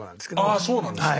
ああそうなんですか。